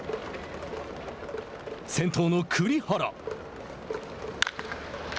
先頭の栗原。